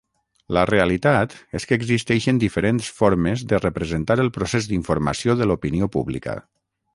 La realitat és que existeixen diferents formes de representar el procés d'informació de l'opinió pública.